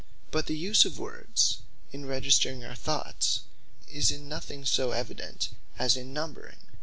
But the use of words in registring our thoughts, is in nothing so evident as in Numbering.